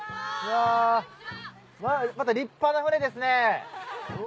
また立派な船ですね。